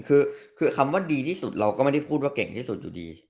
คือคำว่าดีที่สุดเราก็ไม่ได้พูดว่าเก่งที่สุดอยู่ดี